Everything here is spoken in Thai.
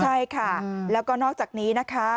ใช่ค่ะแล้วก็นอกจากนี้นะคะ